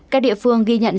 các địa phương ghi nhận